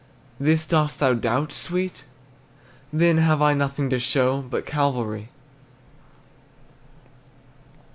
This, dost thou doubt, sweet? Then have I Nothing to show But Calvary.